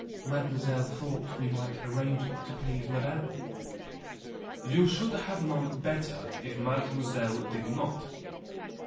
"Mademoiselle thought we might arrange it to please Madame." "You should have known better, if Mademoiselle did not.